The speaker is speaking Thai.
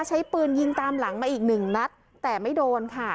ใช้ปืนยิงตามหลังมาอีกหนึ่งนัดแต่ไม่โดนค่ะ